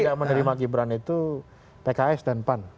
yang tidak menerima gibran itu pks dan pan